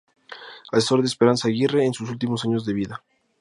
Asesor de Esperanza Aguirre en sus últimos años de vida.